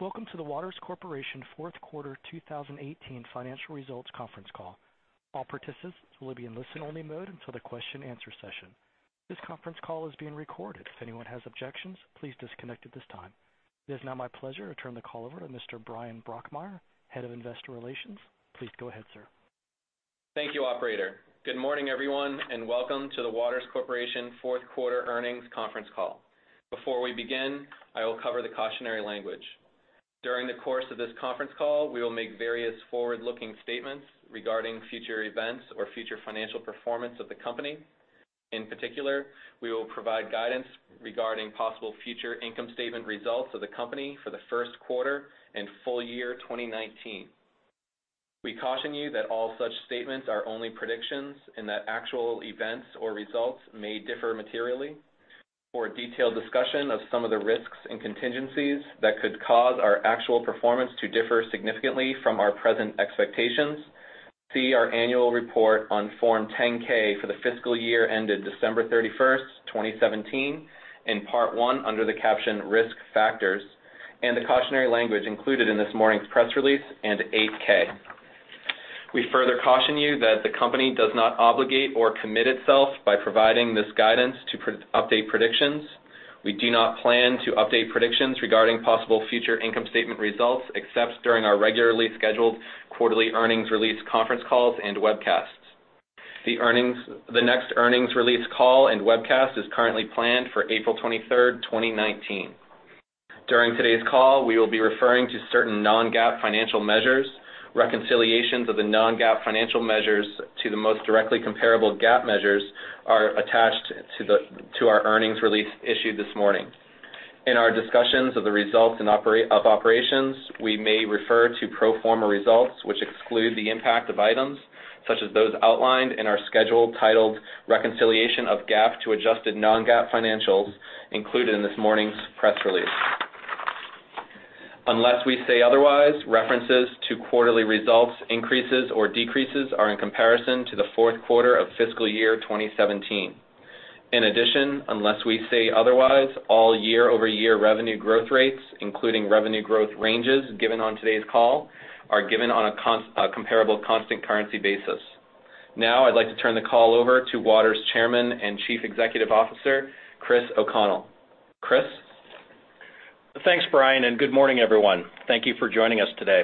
Welcome to the Waters Corporation Fourth Quarter 2018 Financial Results Conference Call. All participants will be in listen-only mode until the question-and-answer session. This conference call is being recorded. If anyone has objections, please disconnect at this time. It is now my pleasure to turn the call over to Mr. Bryan Brokmeier, Head of Investor Relations. Please go ahead, sir. Thank you, Operator. Good morning, everyone, and welcome to the Waters Corporation Fourth Quarter Earnings Conference Call. Before we begin, I will cover the cautionary language. During the course of this conference call, we will make various forward-looking statements regarding future events or future financial performance of the company. In particular, we will provide guidance regarding possible future income statement results of the company for the first quarter and full year 2019. We caution you that all such statements are only predictions and that actual events or results may differ materially. For a detailed discussion of some of the risks and contingencies that could cause our actual performance to differ significantly from our present expectations, see our annual report on Form 10-K for the fiscal year ended December 31st, 2017, in Part 1 under the caption Risk Factors, and the cautionary language included in this morning's press release and 8-K. We further caution you that the company does not obligate or commit itself by providing this guidance to update predictions. We do not plan to update predictions regarding possible future income statement results except during our regularly scheduled quarterly earnings release conference calls and webcasts. The next earnings release call and webcast is currently planned for April 23rd, 2019. During today's call, we will be referring to certain non-GAAP financial measures. Reconciliations of the non-GAAP financial measures to the most directly comparable GAAP measures are attached to our earnings release issued this morning. In our discussions of the results of operations, we may refer to pro forma results which exclude the impact of items such as those outlined in our schedule titled Reconciliation of GAAP to Adjusted Non-GAAP Financials included in this morning's press release. Unless we say otherwise, references to quarterly results increases or decreases are in comparison to the fourth quarter of fiscal year 2017. In addition, unless we say otherwise, all year-over-year revenue growth rates, including revenue growth ranges given on today's call, are given on a comparable constant currency basis. Now, I'd like to turn the call over to Waters Chairman and Chief Executive Officer, Chris O'Connell. Chris. Thanks, Bryan, and good morning, everyone. Thank you for joining us today.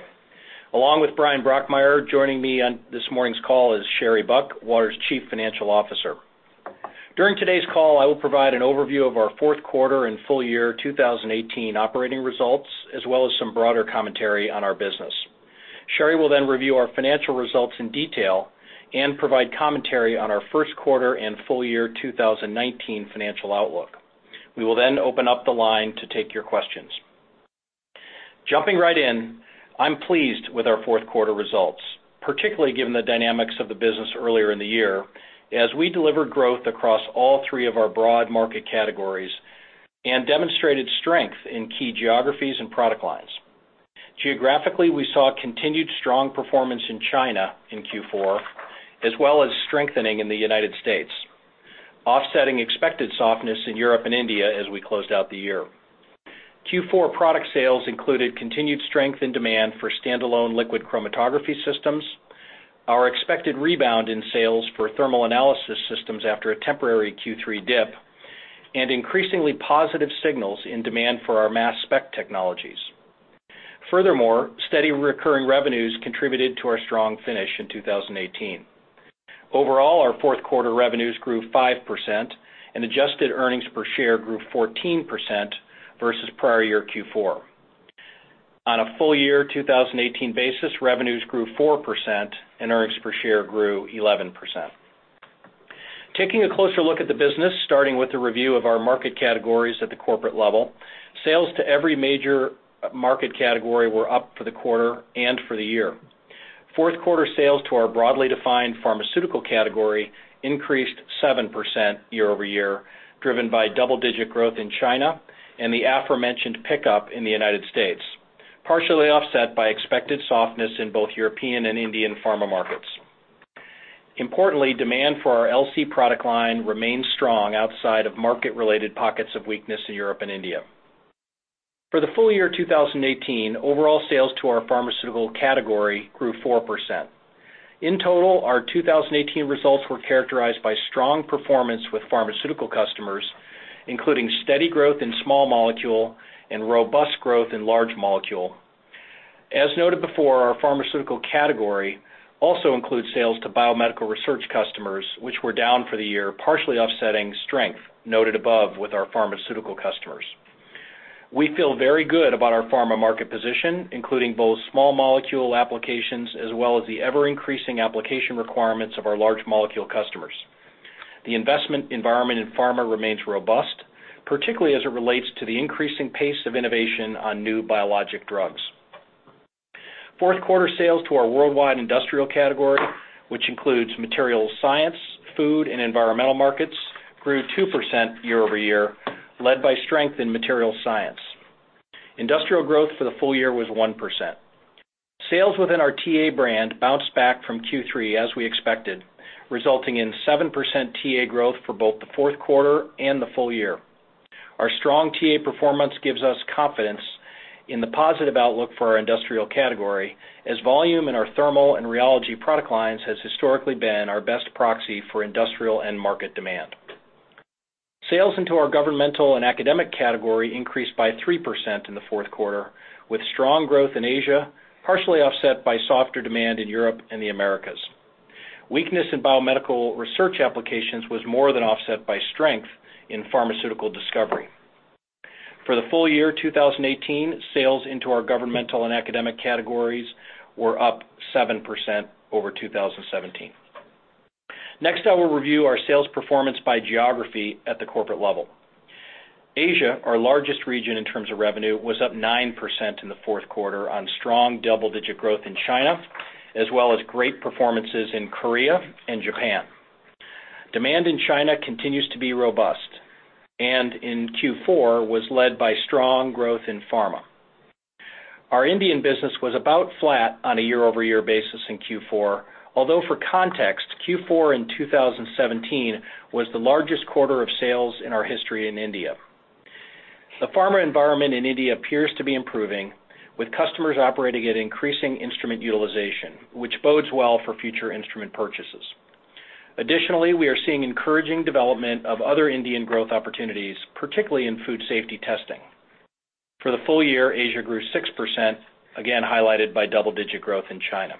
Along with Bryan Brokmeier, joining me on this morning's call is Sherry Buck, Waters' Chief Financial Officer. During today's call, I will provide an overview of our fourth quarter and full year 2018 operating results, as well as some broader commentary on our business. Sherry will then review our financial results in detail and provide commentary on our first quarter and full year 2019 financial outlook. We will then open up the line to take your questions. Jumping right in, I'm pleased with our fourth quarter results, particularly given the dynamics of the business earlier in the year, as we delivered growth across all three of our broad market categories and demonstrated strength in key geographies and product lines. Geographically, we saw continued strong performance in China in Q4, as well as strengthening in the United States, offsetting expected softness in Europe and India as we closed out the year. Q4 product sales included continued strength in demand for standalone liquid chromatography systems, our expected rebound in sales for thermal analysis systems after a temporary Q3 dip, and increasingly positive signals in demand for our mass spec technologies. Furthermore, steady recurring revenues contributed to our strong finish in 2018. Overall, our fourth quarter revenues grew 5%, and adjusted earnings per share grew 14% versus prior year Q4. On a full year 2018 basis, revenues grew 4%, and earnings per share grew 11%. Taking a closer look at the business, starting with a review of our market categories at the corporate level, sales to every major market category were up for the quarter and for the year. Fourth quarter sales to our broadly defined pharmaceutical category increased 7% year-over-year, driven by double-digit growth in China and the aforementioned pickup in the United States, partially offset by expected softness in both European and Indian pharma markets. Importantly, demand for our LC product line remains strong outside of market-related pockets of weakness in Europe and India. For the full year 2018, overall sales to our pharmaceutical category grew 4%. In total, our 2018 results were characterized by strong performance with pharmaceutical customers, including steady growth in small molecule and robust growth in large molecule. As noted before, our pharmaceutical category also includes sales to biomedical research customers, which were down for the year, partially offsetting strength noted above with our pharmaceutical customers. We feel very good about our pharma market position, including both small molecule applications as well as the ever-increasing application requirements of our large molecule customers. The investment environment in pharma remains robust, particularly as it relates to the increasing pace of innovation on new biologic drugs. Fourth quarter sales to our worldwide industrial category, which includes materials science, food, and environmental markets, grew 2% year-over-year, led by strength in materials science. Industrial growth for the full year was 1%. Sales within our TA brand bounced back from Q3 as we expected, resulting in 7% TA growth for both the fourth quarter and the full year. Our strong TA performance gives us confidence in the positive outlook for our industrial category, as volume in our thermal and rheology product lines has historically been our best proxy for industrial and market demand. Sales into our governmental and academic category increased by 3% in the fourth quarter, with strong growth in Asia, partially offset by softer demand in Europe and the Americas. Weakness in biomedical research applications was more than offset by strength in pharmaceutical discovery. For the full year 2018, sales into our governmental and academic categories were up 7% over 2017. Next, I will review our sales performance by geography at the corporate level. Asia, our largest region in terms of revenue, was up 9% in the fourth quarter on strong double-digit growth in China, as well as great performances in Korea and Japan. Demand in China continues to be robust, and in Q4 was led by strong growth in pharma. Our Indian business was about flat on a year-over-year basis in Q4, although for context, Q4 in 2017 was the largest quarter of sales in our history in India. The pharma environment in India appears to be improving, with customers operating at increasing instrument utilization, which bodes well for future instrument purchases. Additionally, we are seeing encouraging development of other Indian growth opportunities, particularly in food safety testing. For the full year, Asia grew 6%, again highlighted by double-digit growth in China.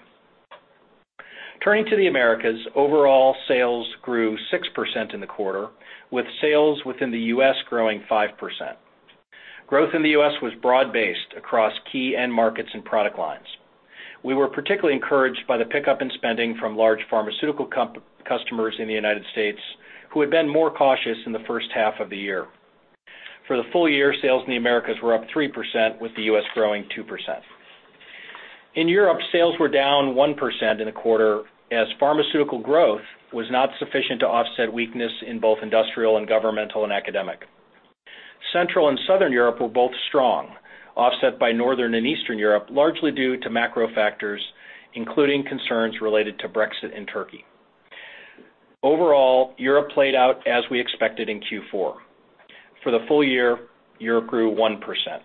Turning to the Americas, overall sales grew 6% in the quarter, with sales within the U.S. growing 5%. Growth in the U.S. was broad-based across key end markets and product lines. We were particularly encouraged by the pickup in spending from large pharmaceutical customers in the United States, who had been more cautious in the first half of the year. For the full year, sales in the Americas were up 3%, with the U.S. growing 2%. In Europe, sales were down 1% in the quarter, as pharmaceutical growth was not sufficient to offset weakness in both industrial, governmental, and academic. Central and Southern Europe were both strong, offset by Northern and Eastern Europe, largely due to macro factors, including concerns related to Brexit and Turkey. Overall, Europe played out as we expected in Q4. For the full year, Europe grew 1%.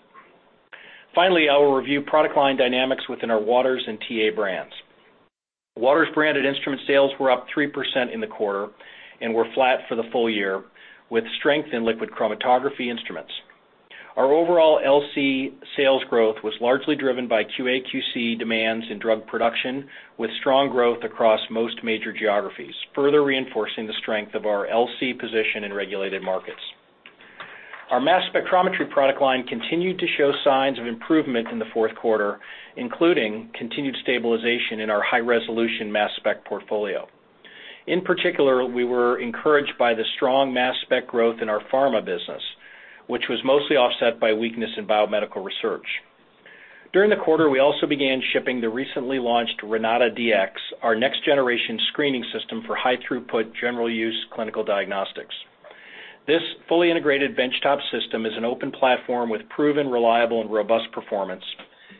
Finally, I will review product line dynamics within our Waters and TA brands. Waters branded instrument sales were up 3% in the quarter and were flat for the full year, with strength in liquid chromatography instruments. Our overall LC sales growth was largely driven by QA/QC demands in drug production, with strong growth across most major geographies, further reinforcing the strength of our LC position in regulated markets. Our mass spectrometry product line continued to show signs of improvement in the fourth quarter, including continued stabilization in our high-resolution mass spec portfolio. In particular, we were encouraged by the strong mass spec growth in our pharma business, which was mostly offset by weakness in biomedical research. During the quarter, we also began shipping the recently launched RenataDX, our next-generation screening system for high-throughput general use clinical diagnostics. This fully integrated benchtop system is an open platform with proven, reliable, and robust performance,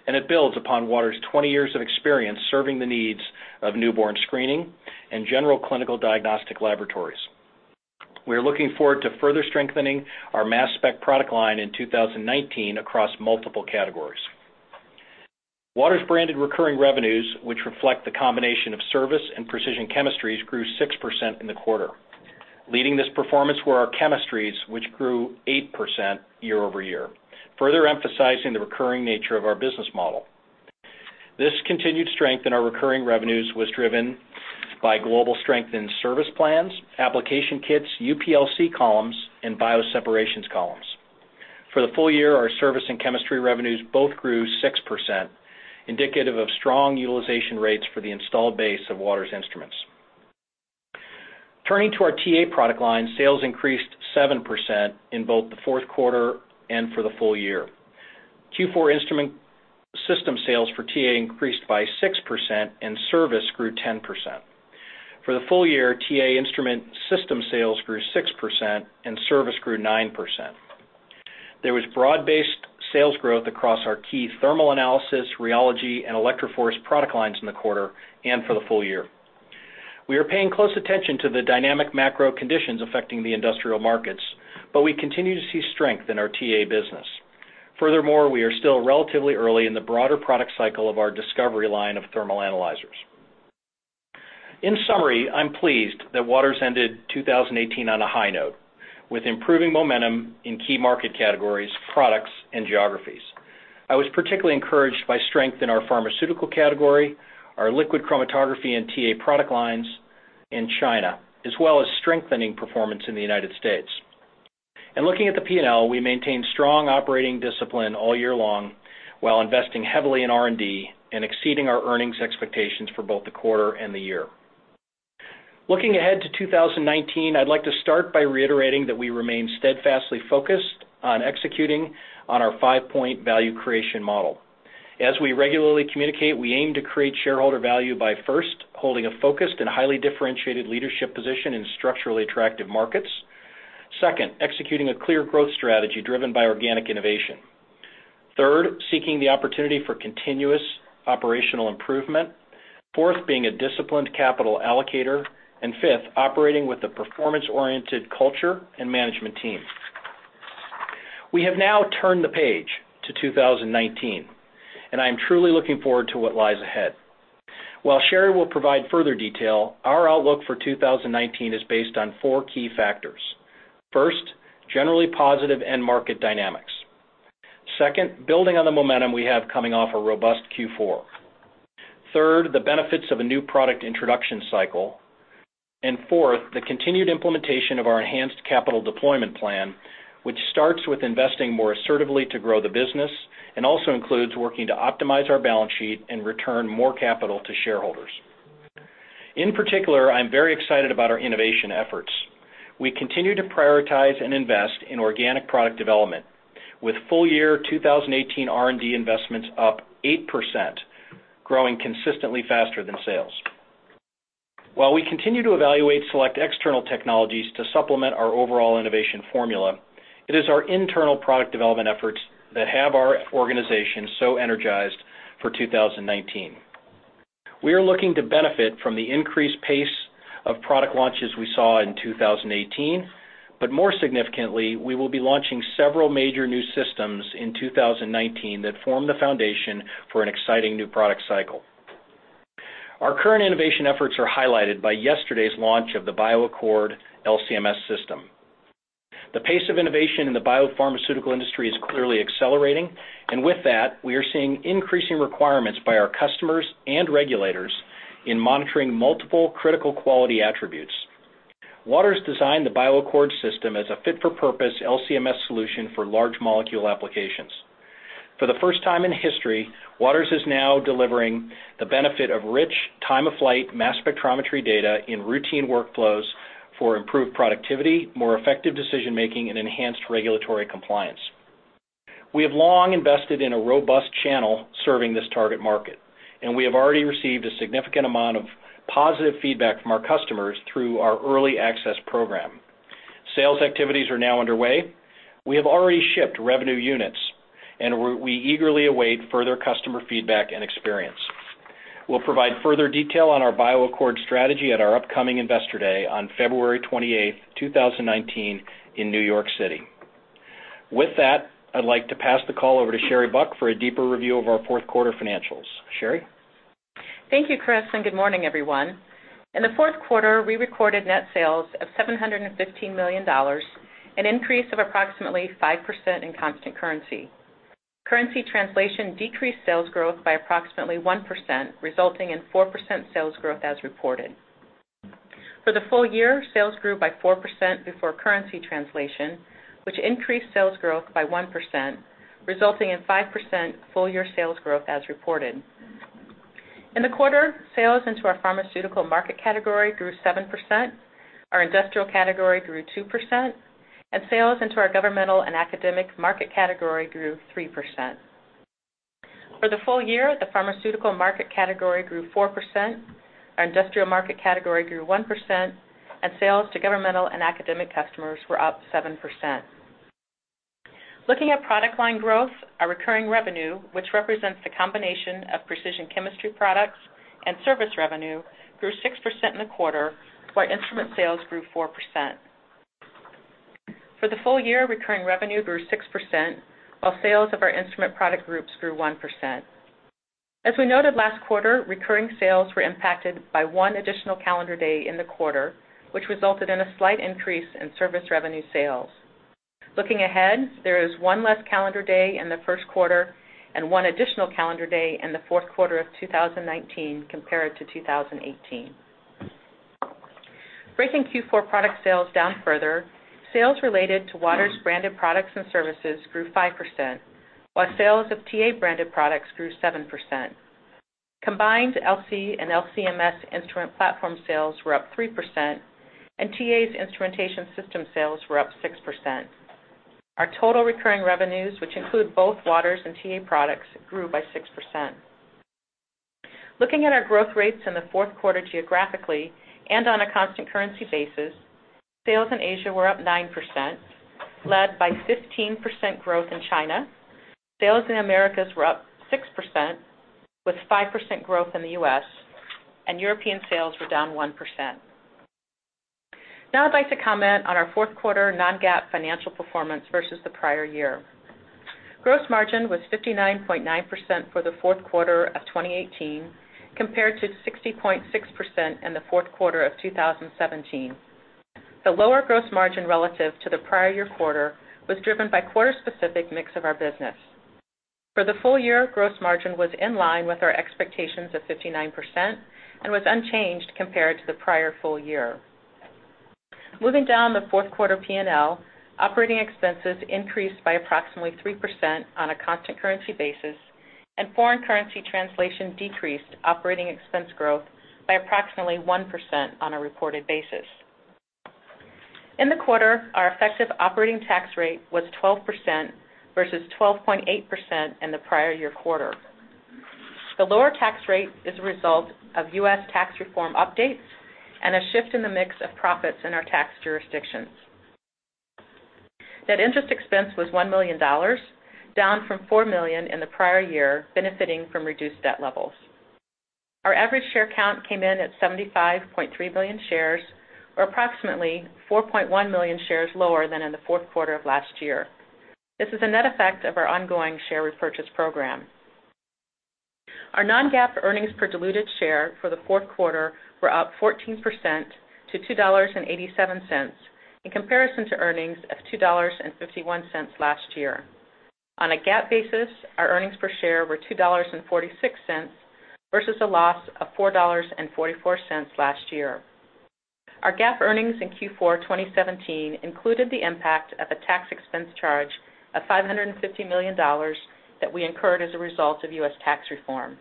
and it builds upon Waters' 20 years of experience serving the needs of newborn screening and general clinical diagnostic laboratories. We are looking forward to further strengthening our mass spec product line in 2019 across multiple categories. Waters branded recurring revenues, which reflect the combination of service and precision chemistries, grew 6% in the quarter. Leading this performance were our chemistries, which grew 8% year-over-year, further emphasizing the recurring nature of our business model. This continued strength in our recurring revenues was driven by global strength in service plans, application kits, UPLC columns, and bioseparations columns. For the full year, our service and chemistry revenues both grew 6%, indicative of strong utilization rates for the installed base of Waters instruments. Turning to our TA product line, sales increased 7% in both the fourth quarter and for the full year. Q4 instrument system sales for TA increased by 6%, and service grew 10%. For the full year, TA instrument system sales grew 6%, and service grew 9%. There was broad-based sales growth across our key thermal analysis, rheology, and ElectroForce product lines in the quarter and for the full year. We are paying close attention to the dynamic macro conditions affecting the industrial markets, but we continue to see strength in our TA business. Furthermore, we are still relatively early in the broader product cycle of our Discovery line of thermal analyzers. In summary, I'm pleased that Waters ended 2018 on a high note, with improving momentum in key market categories, products, and geographies. I was particularly encouraged by strength in our pharmaceutical category, our liquid chromatography and TA product lines in China, as well as strengthening performance in the United States. Looking at the P&L, we maintained strong operating discipline all year long while investing heavily in R&D and exceeding our earnings expectations for both the quarter and the year. Looking ahead to 2019, I'd like to start by reiterating that we remain steadfastly focused on executing on our five-point value creation model. As we regularly communicate, we aim to create shareholder value by, first, holding a focused and highly differentiated leadership position in structurally attractive markets, second, executing a clear growth strategy driven by organic innovation, third, seeking the opportunity for continuous operational improvement, fourth, being a disciplined capital allocator, and fifth, operating with a performance-oriented culture and management team. We have now turned the page to 2019, and I'm truly looking forward to what lies ahead. While Sherry will provide further detail, our outlook for 2019 is based on four key factors. First, generally positive end market dynamics. Second, building on the momentum we have coming off a robust Q4. Third, the benefits of a new product introduction cycle. Fourth, the continued implementation of our enhanced capital deployment plan, which starts with investing more assertively to grow the business and also includes working to optimize our balance sheet and return more capital to shareholders. In particular, I'm very excited about our innovation efforts. We continue to prioritize and invest in organic product development, with full year 2018 R&D investments up 8%, growing consistently faster than sales. While we continue to evaluate select external technologies to supplement our overall innovation formula, it is our internal product development efforts that have our organization so energized for 2019. We are looking to benefit from the increased pace of product launches we saw in 2018, but more significantly, we will be launching several major new systems in 2019 that form the foundation for an exciting new product cycle. Our current innovation efforts are highlighted by yesterday's launch of the BioAccord LC-MS System. The pace of innovation in the biopharmaceutical industry is clearly accelerating, and with that, we are seeing increasing requirements by our customers and regulators in monitoring multiple critical quality attributes. Waters designed the BioAccord system as a fit-for-purpose LC-MS solution for large molecule applications. For the first time in history, Waters is now delivering the benefit of rich time-of-flight mass spectrometry data in routine workflows for improved productivity, more effective decision-making, and enhanced regulatory compliance. We have long invested in a robust channel serving this target market, and we have already received a significant amount of positive feedback from our customers through our early access program. Sales activities are now underway. We have already shipped revenue units, and we eagerly await further customer feedback and experience. We'll provide further detail on our BioAccord strategy at our upcoming investor day on February 28th, 2019, in New York City. With that, I'd like to pass the call over to Sherry Buck for a deeper review of our fourth quarter financials. Sherry? Thank you, Chris, and good morning, everyone. In the fourth quarter, we recorded net sales of $715 million, an increase of approximately 5% in constant currency. Currency translation decreased sales growth by approximately 1%, resulting in 4% sales growth as reported. For the full year, sales grew by 4% before currency translation, which increased sales growth by 1%, resulting in 5% full year sales growth as reported. In the quarter, sales into our pharmaceutical market category grew 7%, our industrial category grew 2%, and sales into our governmental and academic market category grew 3%. For the full year, the pharmaceutical market category grew 4%, our industrial market category grew 1%, and sales to governmental and academic customers were up 7%. Looking at product line growth, our recurring revenue, which represents the combination of precision chemistry products and service revenue, grew 6% in the quarter, while instrument sales grew 4%. For the full year, recurring revenue grew 6%, while sales of our instrument product groups grew 1%. As we noted last quarter, recurring sales were impacted by one additional calendar day in the quarter, which resulted in a slight increase in service revenue sales. Looking ahead, there is one less calendar day in the first quarter and one additional calendar day in the fourth quarter of 2019 compared to 2018. Breaking Q4 product sales down further, sales related to Waters branded products and services grew 5%, while sales of TA branded products grew 7%. Combined LC and LC-MS instrument platform sales were up 3%, and TA's instrumentation system sales were up 6%. Our total recurring revenues, which include both Waters and TA products, grew by 6%. Looking at our growth rates in the fourth quarter geographically and on a constant currency basis, sales in Asia were up 9%, led by 15% growth in China. Sales in the Americas were up 6%, with 5% growth in the U.S., and European sales were down 1%. Now I'd like to comment on our fourth quarter non-GAAP financial performance versus the prior year. Gross margin was 59.9% for the fourth quarter of 2018, compared to 60.6% in the fourth quarter of 2017. The lower gross margin relative to the prior year quarter was driven by quarter-specific mix of our business. For the full year, gross margin was in line with our expectations of 59% and was unchanged compared to the prior full year. Moving down the fourth quarter P&L, operating expenses increased by approximately 3% on a constant currency basis, and foreign currency translation decreased operating expense growth by approximately 1% on a reported basis. In the quarter, our effective operating tax rate was 12% versus 12.8% in the prior year quarter. The lower tax rate is a result of U.S. tax reform updates and a shift in the mix of profits in our tax jurisdictions. Net interest expense was $1 million, down from $4 million in the prior year, benefiting from reduced debt levels. Our average share count came in at 75.3 million shares, or approximately 4.1 million shares lower than in the fourth quarter of last year. This is a net effect of our ongoing share repurchase program. Our non-GAAP earnings per diluted share for the fourth quarter were up 14% to $2.87 in comparison to earnings of $2.51 last year. On a GAAP basis, our earnings per share were $2.46 versus a loss of $4.44 last year. Our GAAP earnings in Q4 2017 included the impact of a tax expense charge of $550 million that we incurred as a result of U.S. tax reform.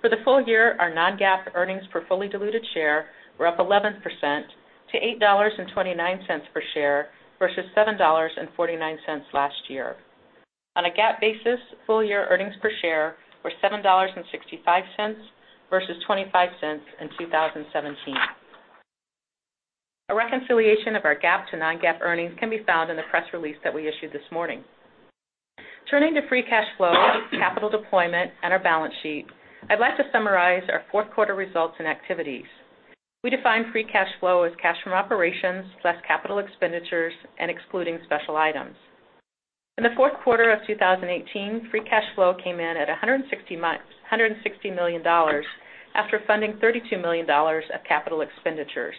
For the full year, our non-GAAP earnings per fully diluted share were up 11% to $8.29 per share versus $7.49 last year. On a GAAP basis, full year earnings per share were $7.65 versus $0.25 in 2017. A reconciliation of our GAAP to non-GAAP earnings can be found in the press release that we issued this morning. Turning to free cash flow, capital deployment, and our balance sheet, I'd like to summarize our fourth quarter results and activities. We defined free cash flow as cash from operations less capital expenditures and excluding special items. In the fourth quarter of 2018, free cash flow came in at $160 million after funding $32 million of capital expenditures.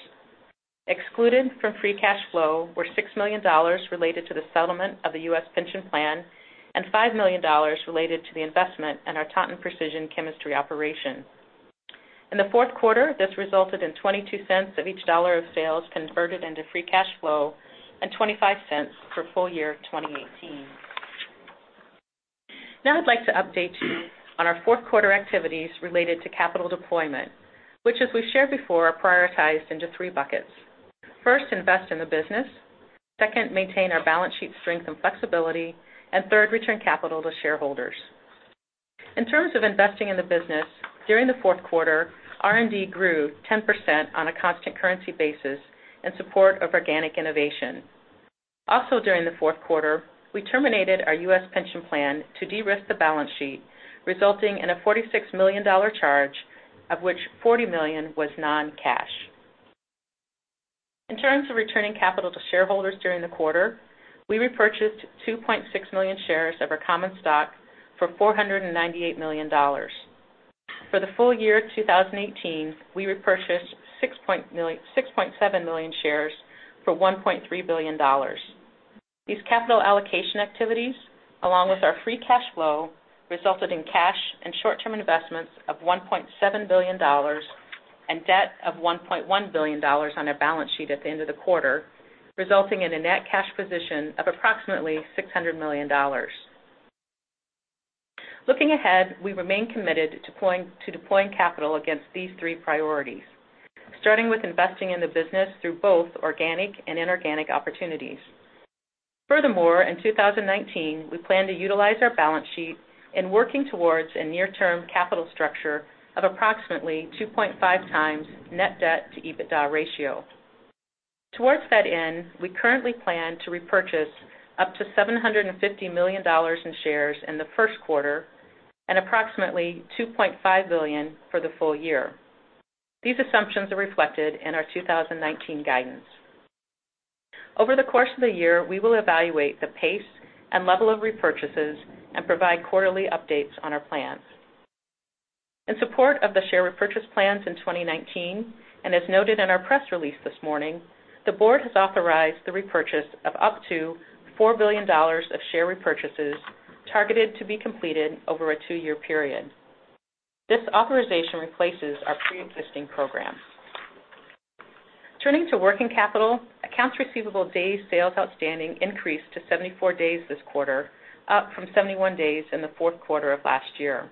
Excluded from free cash flow were $6 million related to the settlement of the U.S. pension plan and $5 million related to the investment in our Taunton Precision Chemistry operation. In the fourth quarter, this resulted in $0.22 of each dollar of sales converted into free cash flow and $0.25 for full year 2018. Now I'd like to update you on our fourth quarter activities related to capital deployment, which, as we've shared before, are prioritized into three buckets. First, invest in the business. Second, maintain our balance sheet strength and flexibility. And third, return capital to shareholders. In terms of investing in the business, during the fourth quarter, R&D grew 10% on a constant currency basis in support of organic innovation. Also, during the fourth quarter, we terminated our U.S. pension plan to de-risk the balance sheet, resulting in a $46 million charge, of which $40 million was non-cash. In terms of returning capital to shareholders during the quarter, we repurchased 2.6 million shares of our common stock for $498 million. For the full year 2018, we repurchased 6.7 million shares for $1.3 billion. These capital allocation activities, along with our free cash flow, resulted in cash and short-term investments of $1.7 billion and debt of $1.1 billion on our balance sheet at the end of the quarter, resulting in a net cash position of approximately $600 million. Looking ahead, we remain committed to deploying capital against these three priorities, starting with investing in the business through both organic and inorganic opportunities. Furthermore, in 2019, we plan to utilize our balance sheet in working towards a near-term capital structure of approximately 2.5 times net debt to EBITDA ratio. Towards that end, we currently plan to repurchase up to $750 million in shares in the first quarter and approximately $2.5 billion for the full year. These assumptions are reflected in our 2019 guidance. Over the course of the year, we will evaluate the pace and level of repurchases and provide quarterly updates on our plans. In support of the share repurchase plans in 2019, and as noted in our press release this morning, the Board has authorized the repurchase of up to $4 billion of share repurchases targeted to be completed over a two-year period. This authorization replaces our pre-existing program. Turning to working capital, accounts receivable day sales outstanding increased to 74 days this quarter, up from 71 days in the fourth quarter of last year.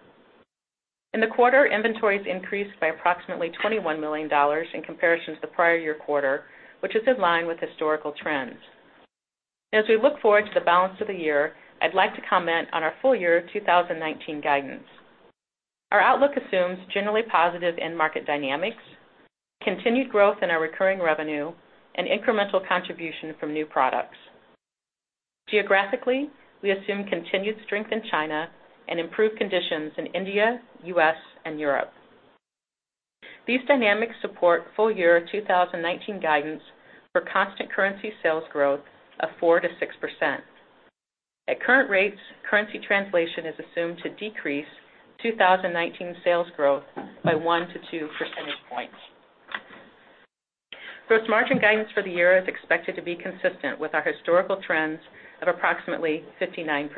In the quarter, inventories increased by approximately $21 million in comparison to the prior year quarter, which is in line with historical trends. As we look forward to the balance of the year, I'd like to comment on our full year 2019 guidance. Our outlook assumes generally positive end market dynamics, continued growth in our recurring revenue, and incremental contribution from new products. Geographically, we assume continued strength in China and improved conditions in India, U.S., and Europe. These dynamics support full year 2019 guidance for constant currency sales growth of 4%-6%. At current rates, currency translation is assumed to decrease 2019 sales growth by 1%-2 percentage points. Gross margin guidance for the year is expected to be consistent with our historical trends of approximately 59%.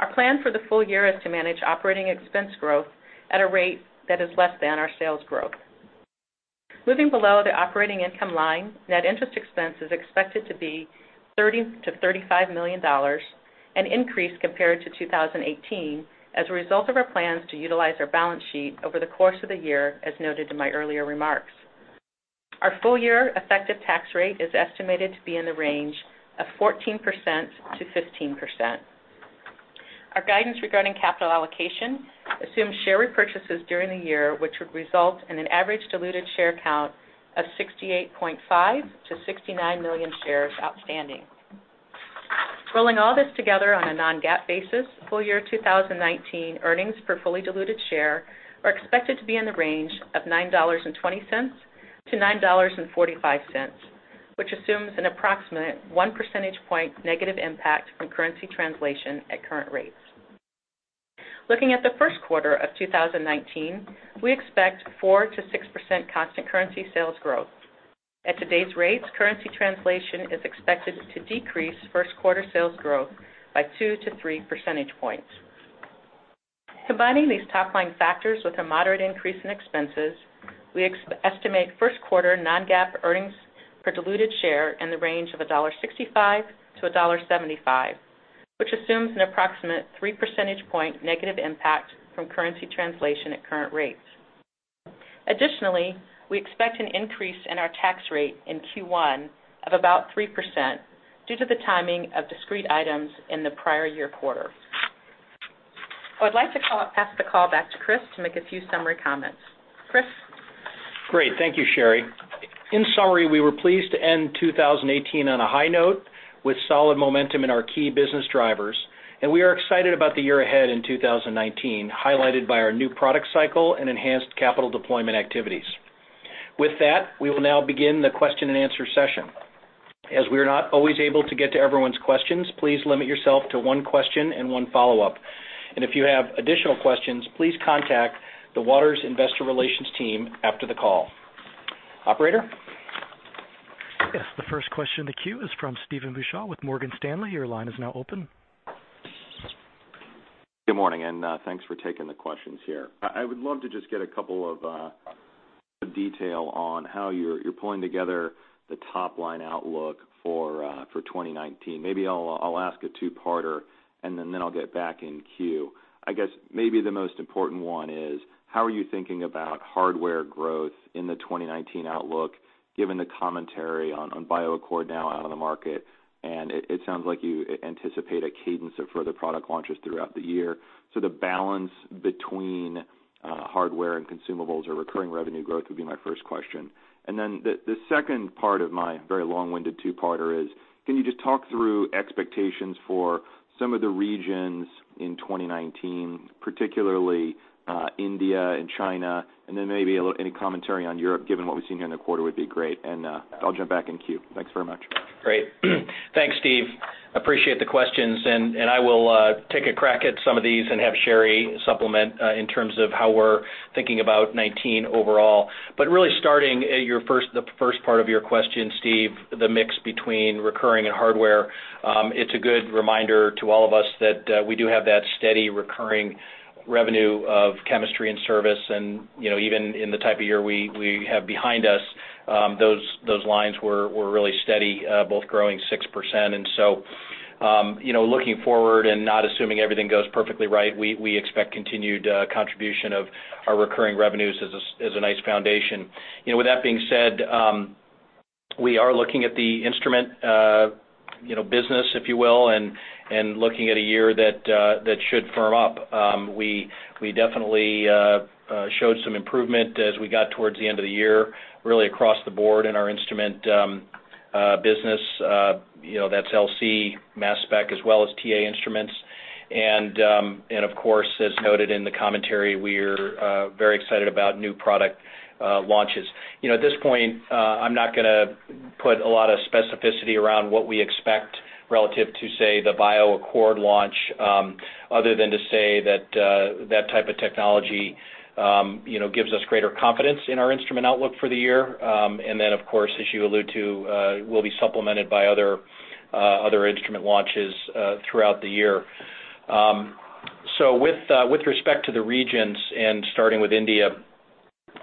Our plan for the full year is to manage operating expense growth at a rate that is less than our sales growth. Moving below the operating income line, net interest expense is expected to be $30-$35 million and increase compared to 2018 as a result of our plans to utilize our balance sheet over the course of the year, as noted in my earlier remarks. Our full year effective tax rate is estimated to be in the range of 14%-15%. Our guidance regarding capital allocation assumes share repurchases during the year, which would result in an average diluted share count of 68.5-69 million shares outstanding. Rolling all this together on a non-GAAP basis, full year 2019 earnings per fully diluted share are expected to be in the range of $9.20-$9.45, which assumes an approximate 1 percentage point negative impact from currency translation at current rates. Looking at the first quarter of 2019, we expect 4%-6% constant currency sales growth. At today's rates, currency translation is expected to decrease first quarter sales growth by 2%-3 percentage points. Combining these top-line factors with a moderate increase in expenses, we estimate first quarter non-GAAP earnings per diluted share in the range of $1.65-$1.75, which assumes an approximate 3 percentage point negative impact from currency translation at current rates. Additionally, we expect an increase in our tax rate in Q1 of about 3% due to the timing of discrete items in the prior year quarter. I'd like to pass the call back to Chris to make a few summary comments. Chris. Great. Thank you, Sherry. In summary, we were pleased to end 2018 on a high note with solid momentum in our key business drivers, and we are excited about the year ahead in 2019, highlighted by our new product cycle and enhanced capital deployment activities. With that, we will now begin the question-and answer session. As we are not always able to get to everyone's questions, please limit yourself to one question and one follow-up. And if you have additional questions, please contact the Waters Investor Relations team after the call. Operator? Yes. The first question in the queue is from Steve Beuchaw with Morgan Stanley. Your line is now open. Good morning, and thanks for taking the questions here. I would love to just get a couple of details on how you're pulling together the top-line outlook for 2019. Maybe I'll ask a two-parter, and then I'll get back in queue. I guess maybe the most important one is, how are you thinking about hardware growth in the 2019 outlook, given the commentary on BioAccord now out of the market? And it sounds like you anticipate a cadence of further product launches throughout the year. So the balance between hardware and consumables or recurring revenue growth would be my first question. And then the second part of my very long-winded two-parter is, can you just talk through expectations for some of the regions in 2019, particularly India and China? And then maybe any commentary on Europe, given what we've seen here in the quarter, would be great. And I'll jump back in queue. Thanks very much. Great. Thanks, Steve. Appreciate the questions, and I will take a crack at some of these and have Sherry supplement in terms of how we're thinking about 2019 overall, but really starting the first part of your question, Steve, the mix between recurring and hardware, it's a good reminder to all of us that we do have that steady recurring revenue of chemistry and service, and even in the type of year we have behind us, those lines were really steady, both growing 6%, and so looking forward and not assuming everything goes perfectly right, we expect continued contribution of our recurring revenues as a nice foundation. With that being said, we are looking at the instrument business, if you will, and looking at a year that should firm up. We definitely showed some improvement as we got towards the end of the year, really across the board in our instrument business. That's LC, Mass Spec, as well as TA Instruments. And of course, as noted in the commentary, we are very excited about new product launches. At this point, I'm not going to put a lot of specificity around what we expect relative to, say, the BioAccord launch, other than to say that that type of technology gives us greater confidence in our instrument outlook for the year. And then, of course, as you allude to, will be supplemented by other instrument launches throughout the year. So with respect to the regions and starting with India,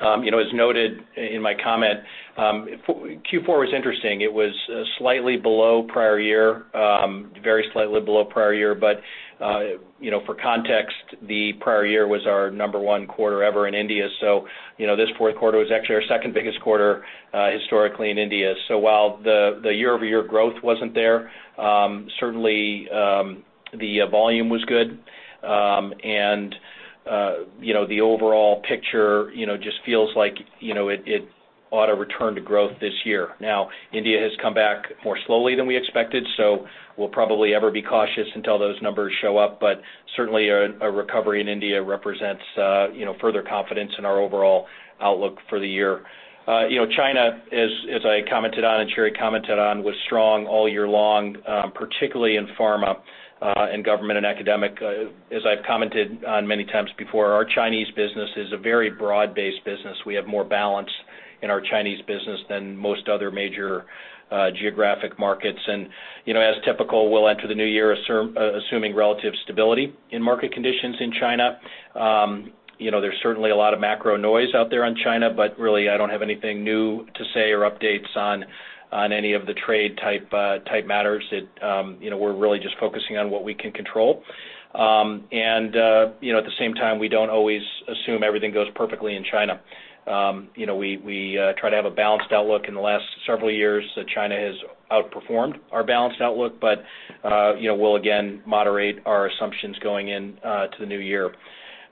as noted in my comment, Q4 was interesting. It was slightly below prior year, very slightly below prior year. But for context, the prior year was our number one quarter ever in India. So this fourth quarter was actually our second biggest quarter historically in India. So while the year-over-year growth wasn't there, certainly the volume was good. And the overall picture just feels like it ought to return to growth this year. Now, India has come back more slowly than we expected, so we'll probably always be cautious until those numbers show up. But certainly, a recovery in India represents further confidence in our overall outlook for the year. China, as I commented on and Sherry commented on, was strong all year long, particularly in pharma and government and academic. As I've commented on many times before, our Chinese business is a very broad-based business. We have more balance in our Chinese business than most other major geographic markets. And as typical, we'll enter the new year assuming relative stability in market conditions in China. There's certainly a lot of macro noise out there on China, but really, I don't have anything new to say or updates on any of the trade-type matters. We're really just focusing on what we can control. And at the same time, we don't always assume everything goes perfectly in China. We try to have a balanced outlook. In the last several years, China has outperformed our balanced outlook, but we'll again moderate our assumptions going into the new year.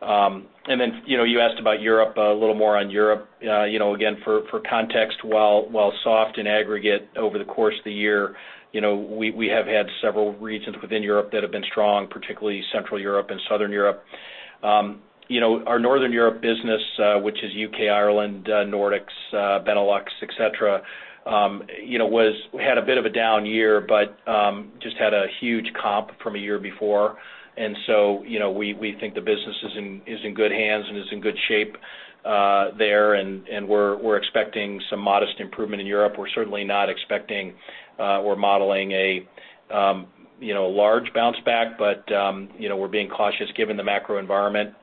And then you asked about Europe, a little more on Europe. Again, for context, while soft in aggregate over the course of the year, we have had several regions within Europe that have been strong, particularly Central Europe and Southern Europe. Our Northern Europe business, which is UK, Ireland, Nordics, Benelux, etc., had a bit of a down year but just had a huge comp from a year before. And so we think the business is in good hands and is in good shape there. And we're expecting some modest improvement in Europe. We're certainly not expecting or modeling a large bounce back, but we're being cautious given the macro environment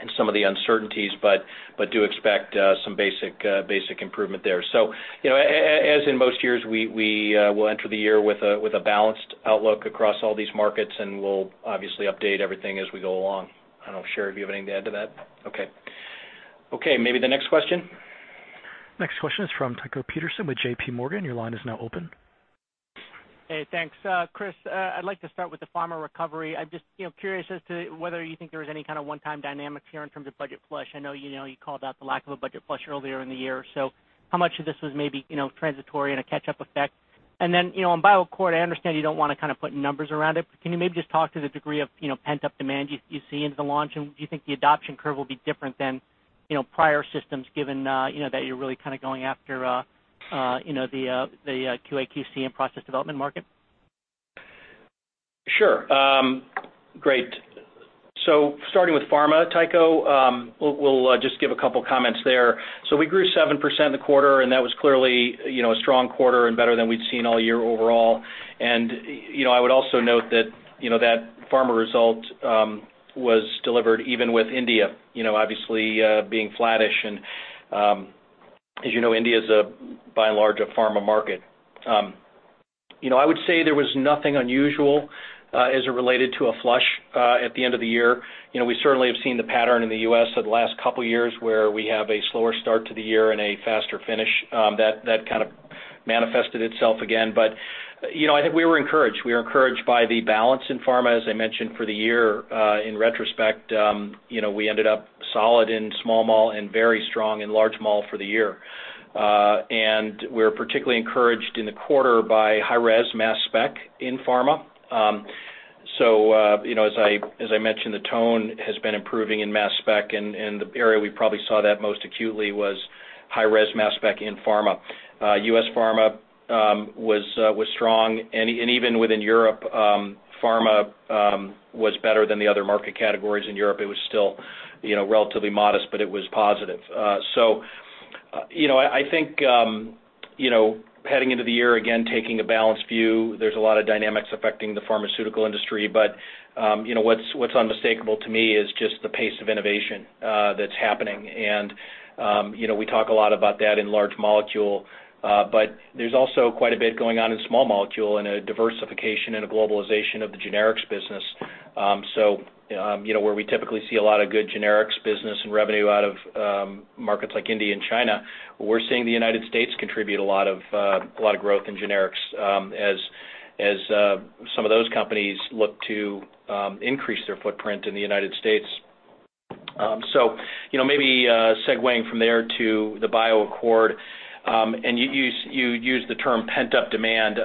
and some of the uncertainties, but do expect some basic improvement there. So as in most years, we will enter the year with a balanced outlook across all these markets, and we'll obviously update everything as we go along. I don't know, Sherry, do you have anything to add to that? Okay. Okay. Maybe the next question? Next question is from Tycho Peterson with JPMorgan. Your line is now open. Hey, thanks. Chris, I'd like to start with the pharma recovery. I'm just curious as to whether you think there was any kind of one-time dynamic here in terms of budget flush. I know you called out the lack of a budget flush earlier in the year. So how much of this was maybe transitory and a catch-up effect? And then on BioAccord, I understand you don't want to kind of put numbers around it, but can you maybe just talk to the degree of pent-up demand you see into the launch? And do you think the adoption curve will be different than prior systems given that you're really kind of going after the QAQC and process development market? Sure. Great. So starting with pharma, Tycho, we'll just give a couple of comments there. So we grew 7% in the quarter, and that was clearly a strong quarter and better than we'd seen all year overall. And I would also note that that pharma result was delivered even with India, obviously being flattish. As you know, India is, by and large, a pharma market. I would say there was nothing unusual as it related to a flush at the end of the year. We certainly have seen the pattern in the U.S. over the last couple of years where we have a slower start to the year and a faster finish. That kind of manifested itself again. But I think we were encouraged. We were encouraged by the balance in pharma, as I mentioned, for the year. In retrospect, we ended up solid in small molecule and very strong in large molecule for the year. And we were particularly encouraged in the quarter by High-Res mass spec in pharma. So as I mentioned, the tone has been improving in mass spec, and the area we probably saw that most acutely was High-Res mass sgpec in pharma. U.S. pharma was strong. Even within Europe, pharma was better than the other market categories. In Europe, it was still relatively modest, but it was positive. I think heading into the year, again, taking a balanced view, there's a lot of dynamics affecting the pharmaceutical industry. But what's unmistakable to me is just the pace of innovation that's happening. We talk a lot about that in large molecule, but there's also quite a bit going on in small molecule and a diversification and a globalization of the generics business. Where we typically see a lot of good generics business and revenue out of markets like India and China, we're seeing the United States contribute a lot of growth in generics as some of those companies look to increase their footprint in the United States. Maybe segueing from there to the BioAccord, and you used the term pent-up demand.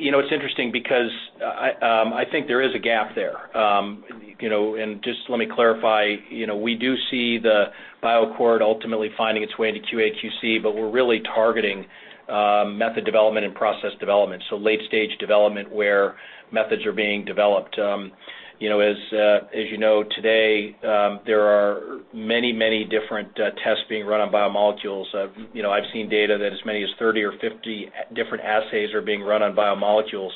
It's interesting because I think there is a gap there, and just let me clarify, we do see the BioAccord ultimately finding its way into QAQC, but we're really targeting method development and process development, so late-stage development where methods are being developed. As you know, today, there are many, many different tests being run on biomolecules. I've seen data that as many as 30 or 50 different assays are being run on biomolecules,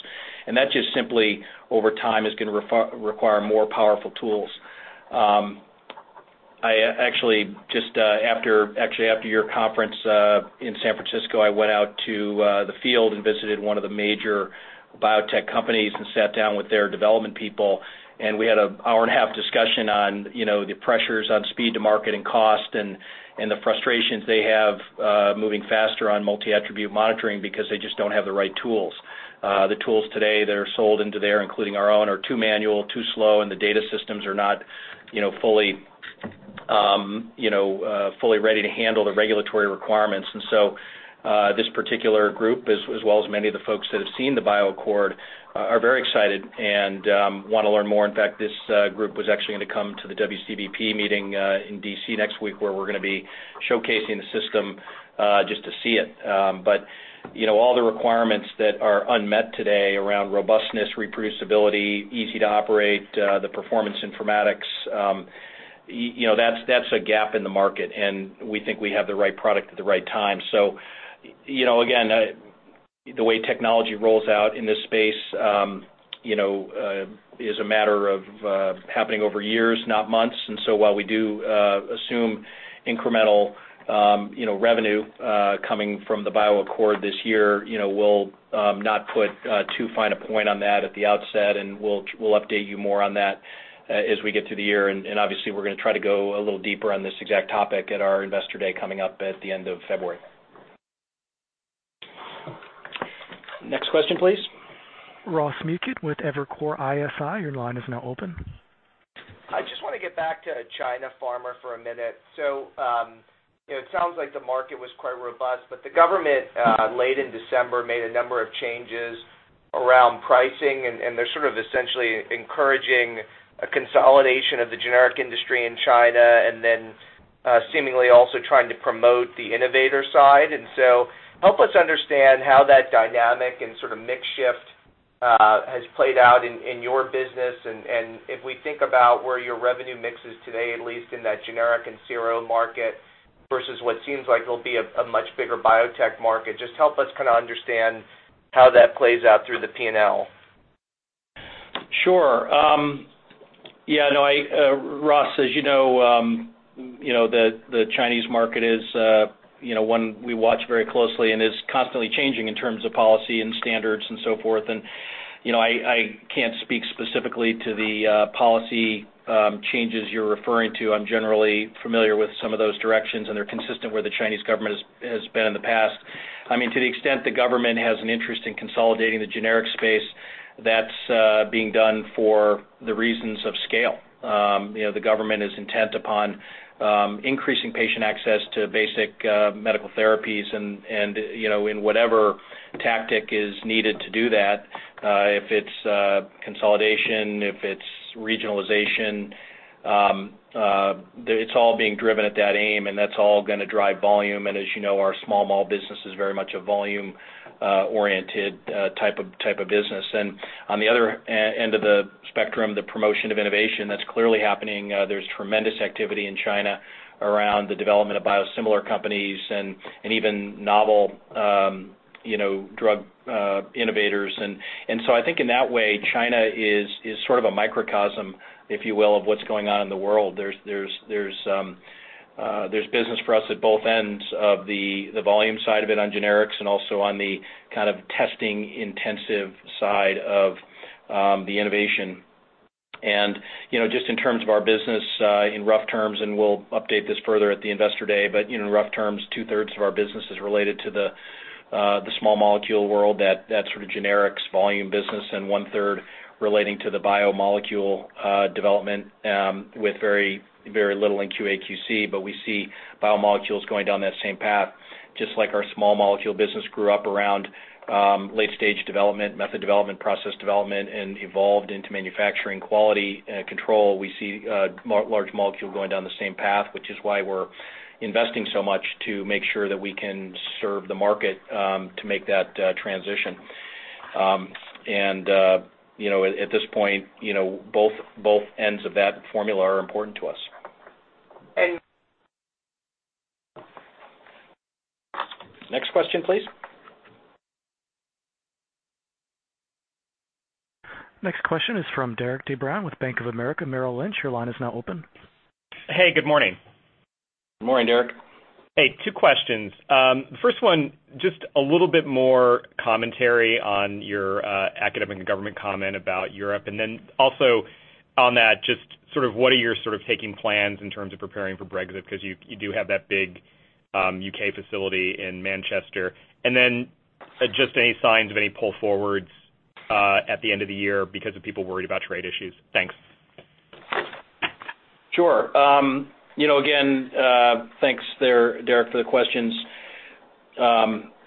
and that just simply, over time, is going to require more powerful tools. Actually after your conference in San Francisco, I went out to the field and visited one of the major biotech companies and sat down with their development people, and we had an hour-and-a-half discussion on the pressures on speed to market and cost and the frustrations they have moving faster on multi-attribute monitoring because they just don't have the right tools. The tools today that are sold into there, including our own, are too manual, too slow, and the data systems are not fully ready to handle the regulatory requirements. And so this particular group, as well as many of the folks that have seen the BioAccord, are very excited and want to learn more. In fact, this group was actually going to come to the WCBP meeting in DC next week where we're going to be showcasing the system just to see it. But all the requirements that are unmet today around robustness, reproducibility, easy to operate, the performance informatics, that's a gap in the market. And we think we have the right product at the right time. So again, the way technology rolls out in this space is a matter of happening over years, not months. And so while we do assume incremental revenue coming from the BioAccord this year, we'll not put too fine a point on that at the outset, and we'll update you more on that as we get through the year. And obviously, we're going to try to go a little deeper on this exact topic at our investor day coming up at the end of February. Next question, please. Ross Muken with Evercore ISI. Your line is now open. I just want to get back to China pharma for a minute. So it sounds like the market was quite robust, but the government late in December made a number of changes around pricing, and they're sort of essentially encouraging a consolidation of the generic industry in China and then seemingly also trying to promote the innovator side. So help us understand how that dynamic and sort of makeshift has played out in your business. If we think about where your revenue mixes today, at least in that generic and CRO market versus what seems like it'll be a much bigger biotech market, just help us kind of understand how that plays out through the P&L. Sure. Yeah. No, Ross, as you know, the Chinese market is one we watch very closely and is constantly changing in terms of policy and standards and so forth. I can't speak specifically to the policy changes you're referring to. I'm generally familiar with some of those directions, and they're consistent where the Chinese government has been in the past. I mean, to the extent the government has an interest in consolidating the generic space, that's being done for the reasons of scale. The government is intent upon increasing patient access to basic medical therapies, and in whatever tactic is needed to do that, if it's consolidation, if it's regionalization, it's all being driven at that aim, and that's all going to drive volume, and as you know, our small molecule business is very much a volume-oriented type of business, and on the other end of the spectrum, the promotion of innovation, that's clearly happening. There's tremendous activity in China around the development of biosimilar companies and even novel drug innovators, and so I think in that way, China is sort of a microcosm, if you will, of what's going on in the world. There's business for us at both ends of the volume side of it on generics and also on the kind of testing-intensive side of the innovation. And just in terms of our business in rough terms, and we'll update this further at the investor day, but in rough terms, two-thirds of our business is related to the small molecule world, that sort of generics volume business, and one-third relating to the biomolecule development with very little in QAQC. But we see biomolecules going down that same path. Just like our small molecule business grew up around late-stage development, method development, process development, and evolved into manufacturing quality control, we see large molecule going down the same path, which is why we're investing so much to make sure that we can serve the market to make that transition. And at this point, both ends of that formula are important to us. And next question, please. Next question is from Derik de Bruin with Bank of America Merrill Lynch. Your line is now open. Hey, good morning. Good morning, Derik. Hey, two questions. The first one, just a little bit more commentary on your academic and government comment about Europe. And then also on that, just sort of what are your sort of tactical plans in terms of preparing for Brexit because you do have that big UK facility in Manchester. And then just any signs of any pull forwards at the end of the year because of people worried about trade issues. Thanks. Sure. Again, thanks, Derik, for the questions.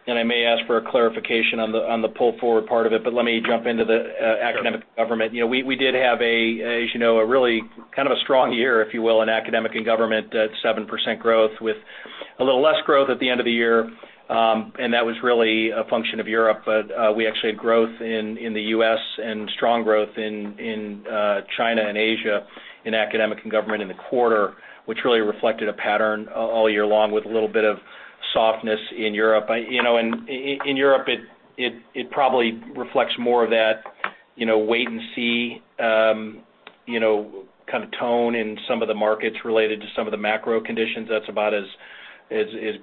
And I may ask for a clarification on the pull forward part of it, but let me jump into the academic and government. We did have, as you know, a really kind of a strong year, if you will, in academic and government at 7% growth with a little less growth at the end of the year. And that was really a function of Europe. But we actually had growth in the U.S. and strong growth in China and Asia in academic and government in the quarter, which really reflected a pattern all year long with a little bit of softness in Europe. And in Europe, it probably reflects more of that wait-and-see kind of tone in some of the markets related to some of the macro conditions. That's about as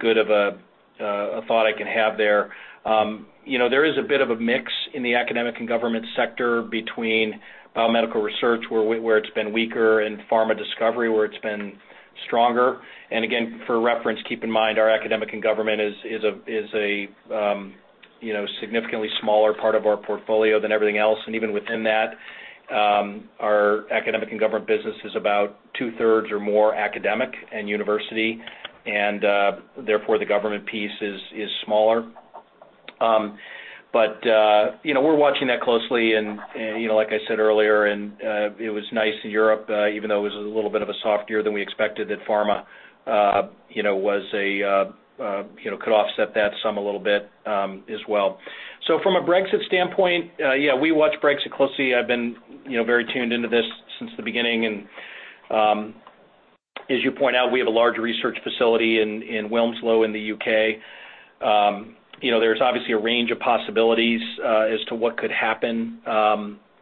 good of a thought I can have there. There is a bit of a mix in the academic and government sector between biomedical research, where it's been weaker, and pharma discovery, where it's been stronger. And again, for reference, keep in mind our academic and government is a significantly smaller part of our portfolio than everything else. And even within that, our academic and government business is about two-thirds or more academic and university. And therefore, the government piece is smaller. But we're watching that closely. And like I said earlier, it was nice in Europe, even though it was a little bit of a softer year than we expected that pharma could offset that somewhat a little bit as well. So from a Brexit standpoint, yeah, we watch Brexit closely. I've been very tuned into this since the beginning. And as you point out, we have a large research facility in Wilmslow in the U.K. There's obviously a range of possibilities as to what could happen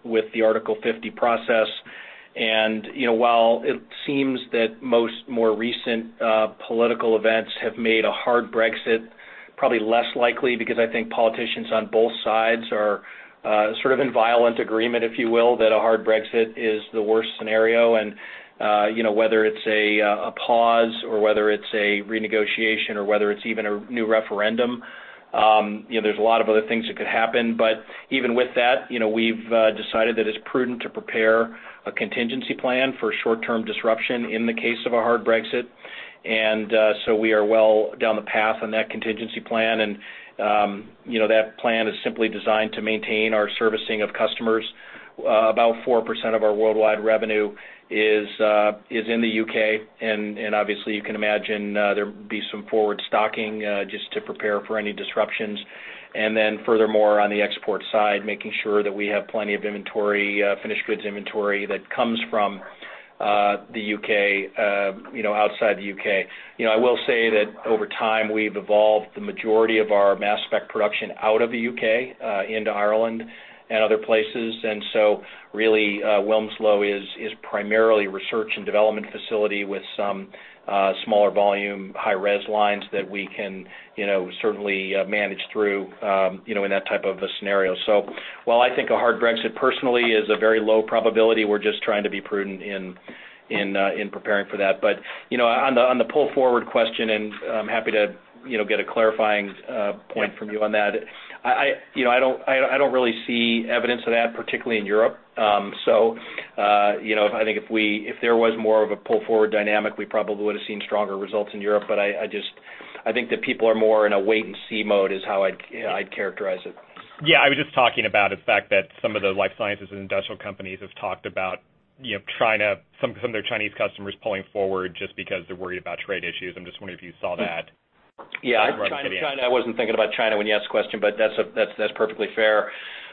with the Article 50 process. And while it seems that the most recent political events have made a hard Brexit probably less likely because I think politicians on both sides are sort of in violent agreement, if you will, that a hard Brexit is the worst scenario. And whether it's a pause or whether it's a renegotiation or whether it's even a new referendum, there's a lot of other things that could happen. But even with that, we've decided that it's prudent to prepare a contingency plan for short-term disruption in the case of a Hard Brexit. And so we are well down the path on that contingency plan. And that plan is simply designed to maintain our servicing of customers. About 4% of our worldwide revenue is in the U.K. And obviously, you can imagine there would be some forward stocking just to prepare for any disruptions. And then furthermore, on the export side, making sure that we have plenty of inventory, finished goods inventory that comes from the U.K. outside the U.K. I will say that over time, we've evolved the majority of our mass spec production out of the U.K. into Ireland and other places, and so really, Wilmslow is primarily a research and development facility with some smaller volume High-Res lines that we can certainly manage through in that type of a scenario, so while I think a hard Brexit personally is a very low probability, we're just trying to be prudent in preparing for that, but on the pull forward question, and I'm happy to get a clarifying point from you on that, I don't really see evidence of that, particularly in Europe, so I think if there was more of a pull forward dynamic, we probably would have seen stronger results in Europe, but I think that people are more in a wait-and-see mode is how I'd characterize it. Yeah. I was just talking about the fact that some of the life sciences and industrial companies have talked about China from their Chinese customers pulling forward just because they're worried about trade issues. I'm just wondering if you saw that. Yeah. I wasn't thinking about China when you asked the question, but that's perfectly fair.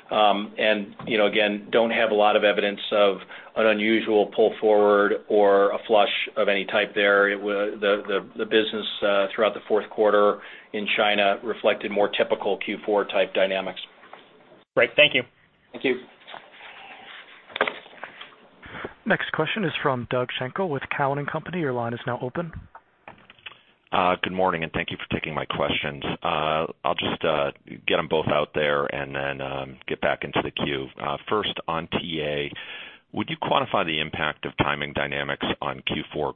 And again, don't have a lot of evidence of an unusual pull forward or a flush of any type there. The business throughout the fourth quarter in China reflected more typical Q4 type dynamics. Great. Thank you. Thank you. Next question is from Doug Schenkel with Cowen & Company. Your line is now open. Good morning, and thank you for taking my questions. I'll just get them both out there and then get back into the queue. First, on TA, would you quantify the impact of timing dynamics on Q4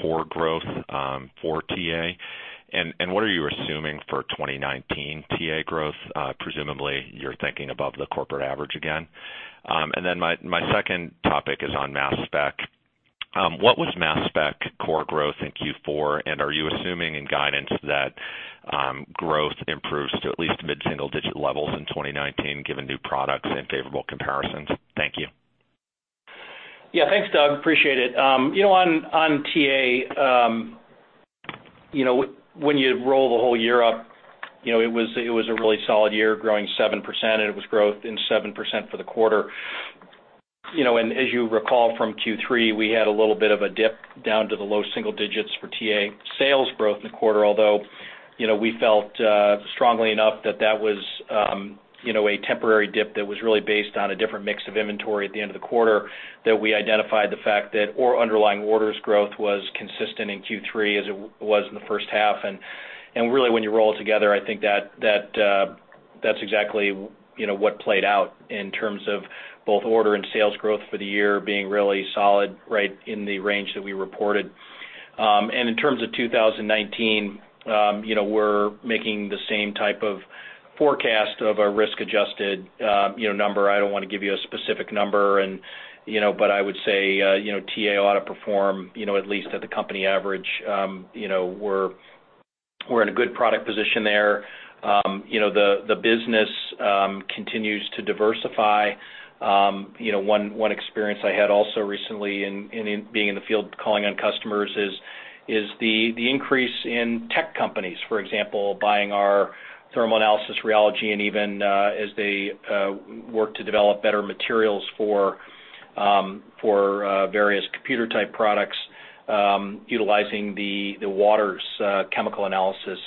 core growth for TA? And what are you assuming for 2019 TA growth? Presumably, you're thinking above the corporate average again. And then my second topic is on mass spec. What was mass spec core growth in Q4? And are you assuming in guidance that growth improves to at least mid-single digit levels in 2019 given new products and favorable comparisons? Thank you. Yeah. Thanks, Doug. Appreciate it. On TA, when you roll the whole year up, it was a really solid year growing 7%, and it was 7% growth for the quarter. As you recall from Q3, we had a little bit of a dip down to the low single digits for TA sales growth in the quarter, although we felt strongly enough that that was a temporary dip that was really based on a different mix of inventory at the end of the quarter that we identified the fact that underlying orders growth was consistent in Q3 as it was in the first half. And really, when you roll it together, I think that that's exactly what played out in terms of both order and sales growth for the year being really solid right in the range that we reported. In terms of 2019, we're making the same type of forecast of a risk-adjusted number. I don't want to give you a specific number, but I would say TA ought to perform at least at the company average. We're in a good product position there. The business continues to diversify. One experience I had also recently in being in the field calling on customers is the increase in tech companies, for example, buying our thermal analysis, rheology and even as they work to develop better materials for various computer-type products utilizing the Waters' chemical analysis,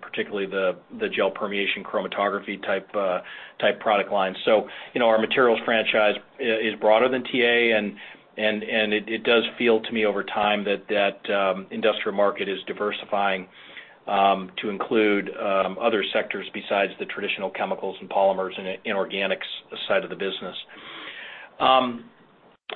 particularly the gel permeation chromatography type product line. So our materials franchise is broader than TA, and it does feel to me over time that that industrial market is diversifying to include other sectors besides the traditional chemicals and polymers and inorganics side of the business.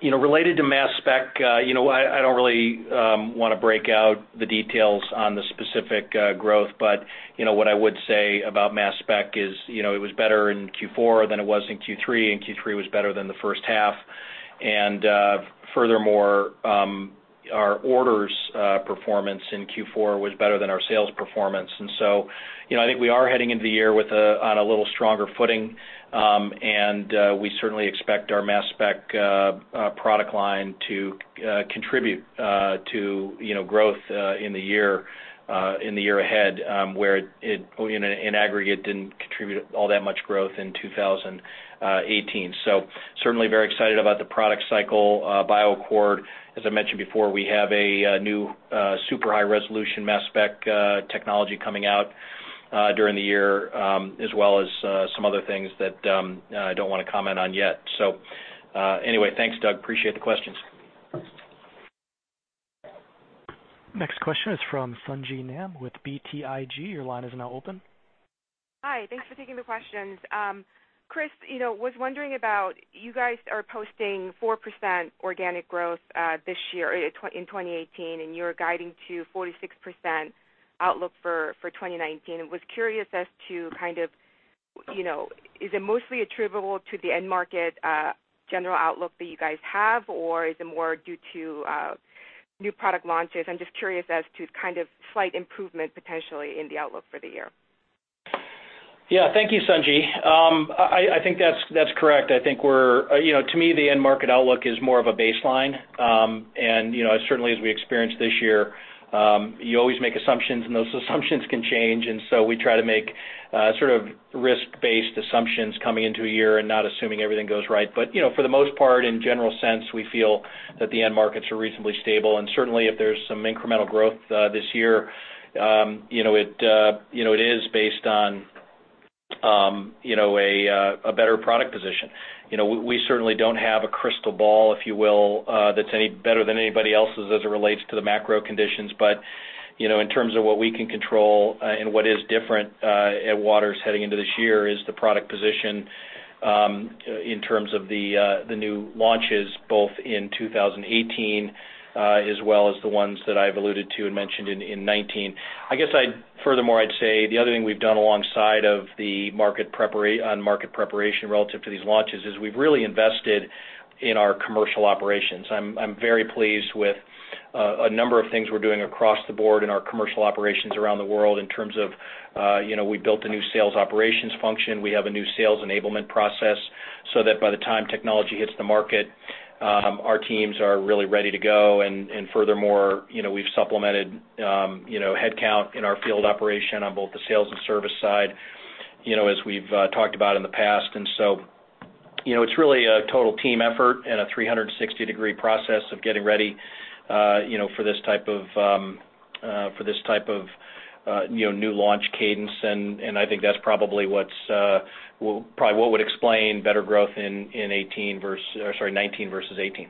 Related to mass spec, I don't really want to break out the details on the specific growth, but what I would say about mass spec is it was better in Q4 than it was in Q3, and Q3 was better than the first half. Furthermore, our orders performance in Q4 was better than our sales performance. And so I think we are heading into the year on a little stronger footing, and we certainly expect our mass spec product line to contribute to growth in the year ahead where it in aggregate didn't contribute all that much growth in 2018. So certainly very excited about the product cycle. BioAccord, as I mentioned before, we have a new super high-resolution mass spec technology coming out during the year as well as some other things that I don't want to comment on yet. So anyway, thanks, Doug. Appreciate the questions. Next question is from Sung Ji Nam with BTIG. Your line is now open. Hi. Thanks for taking the questions. Chris, was wondering about you guys are posting 4% organic growth this year in 2018, and you're guiding to 4 to 6% outlook for 2019. I was curious as to kind of is it mostly attributable to the end market general outlook that you guys have, or is it more due to new product launches? I'm just curious as to kind of slight improvement potentially in the outlook for the year. Yeah. Thank you, Sung Ji. I think that's correct. I think we're to me, the end market outlook is more of a baseline. And certainly, as we experienced this year, you always make assumptions, and those assumptions can change. And so we try to make sort of risk-based assumptions coming into a year and not assuming everything goes right. But for the most part, in general sense, we feel that the end markets are reasonably stable. And certainly, if there's some incremental growth this year, it is based on a better product position. We certainly don't have a crystal ball, if you will, that's any better than anybody else's as it relates to the macro conditions. But in terms of what we can control and what is different at Waters heading into this year is the product position in terms of the new launches both in 2018 as well as the ones that I've alluded to and mentioned in 2019. I guess furthermore, I'd say the other thing we've done alongside of the market preparation relative to these launches is we've really invested in our commercial operations. I'm very pleased with a number of things we're doing across the board in our commercial operations around the world in terms of we built a new sales operations function. We have a new sales enablement process so that by the time technology hits the market, our teams are really ready to go. Furthermore, we've supplemented headcount in our field operation on both the sales and service side as we've talked about in the past. So it's really a total team effort and a 360-degree process of getting ready for this type of new launch cadence. I think that's probably what would explain better growth in 2018 versus or sorry, 2019 versus 2018.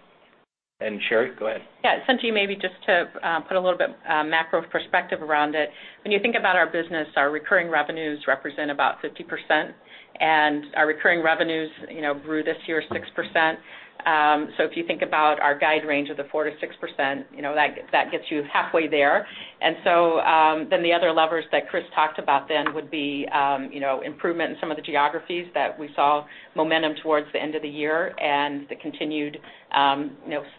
Sherry, go ahead. Yeah. Sung Ji, maybe just to put a little bit macro perspective around it. When you think about our business, our recurring revenues represent about 50%, and our recurring revenues grew this year 6%. If you think about our guide range of the 4%-6%, that gets you halfway there. And so then the other levers that Chris talked about then would be improvement in some of the geographies that we saw momentum towards the end of the year and the continued